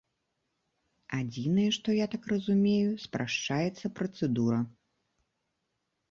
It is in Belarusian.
Адзінае, што, я так разумею, спрашчаецца працэдура.